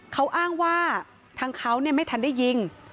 เขาอ้างว่าทางเขาไม่ทันได้ยิง